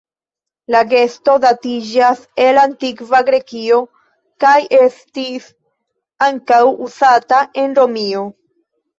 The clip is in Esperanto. La gesto datiĝas el Antikva Grekio kaj estis ankaŭ uzata en Romio.